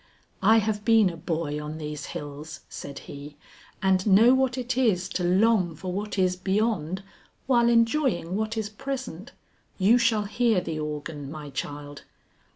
"I have been a boy on these hills," said he, "and know what it is to long for what is beyond while enjoying what is present. You shall hear the organ my child."